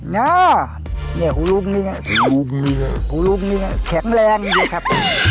เนี่ยเนี่ยหูลุงนี่หูลุงนี่แข็งแรงดีครับ